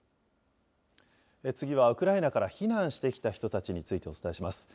次は、ウクライナから避難してきた人たちについてお伝えします。